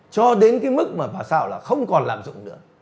cho đến cái mức mà bà sao là không còn lạm dụng nữa